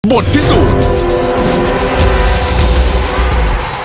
บทพิสูจน์